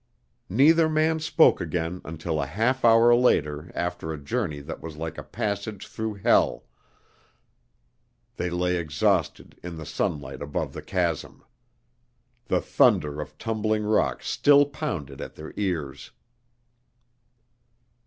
Neither man spoke again until a half hour later after a journey that was like a passage through Hell, they lay exhausted in the sunlight above the chasm. The thunder of tumbling rock still pounded at their ears.